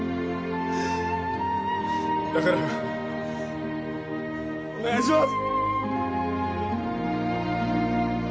だからお願いします！